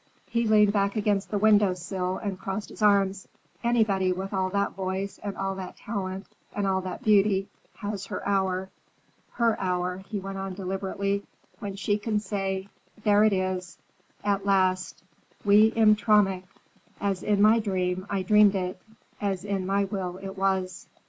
He leaned back against the window sill and crossed his arms. "Anybody with all that voice and all that talent and all that beauty, has her hour. Her hour," he went on deliberately, "when she can say, 'there it is, at last, wie im Traum ich— "'As in my dream I dreamed it, As in my will it was.